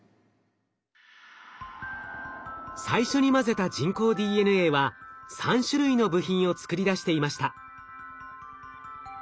最初に混ぜた人工ＤＮＡは３種類の部品を作り出していました。